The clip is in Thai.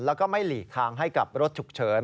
แล้วก็ไม่หลีกทางให้กับรถฉุกเฉิน